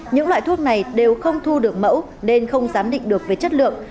những loại thuốc này đều không thu được mẫu nên không giám định được về chất lượng